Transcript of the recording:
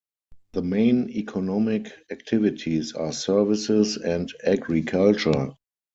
The main economic activities are services, and agriculture.